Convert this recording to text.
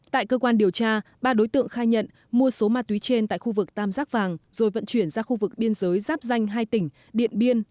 tại cơ quan điều tra ba đối tượng khai nhận mua số ma túy trên tại khu vực tam giác vàng rồi vận chuyển ra khu vực biên giới giáp danh hai tỉnh điện biên phong sa ly để bán cho đối tượng người việt nam đặt mua